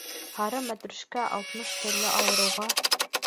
Һары мәтрүшкә алтмыш төрлө ауырыуға